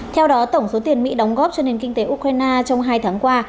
theo đó tổng số tiền mỹ đóng góp cho nền kinh tế ukraine trong hai tháng qua